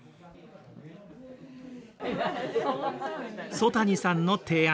曽谷さんの提案。